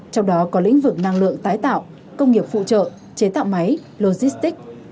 trong đó có lĩnh vực năng lượng tái tạo công nghiệp phụ trợ chế tạo máy logistic